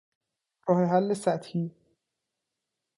راه حل سطحی